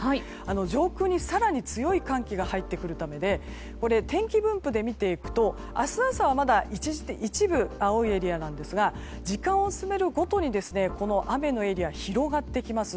上空に更に強い寒気が入ってくるためで天気分布で見ていくと明日朝は一部青いエリアなんですが時間を進めるごとに雨のエリアが広がってきます。